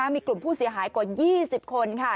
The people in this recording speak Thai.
มีกลุ่มผู้เสียหายกว่า๒๐คน